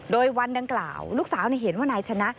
โดยวันดังกล่าวลูกสาวเห็นว่านายชนะ